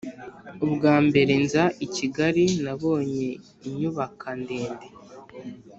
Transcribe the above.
ubwa mbere nza i kigali nabonye inyubaka ndende.